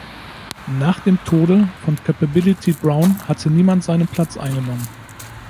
Nach dem Tode von Capability Brown hatte niemand seinen Platz eingenommen.